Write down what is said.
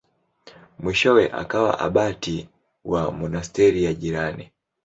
Mwishowe akawa abati wa monasteri ya jirani.